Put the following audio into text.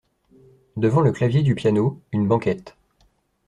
Devant le clavier du piano, une banquette.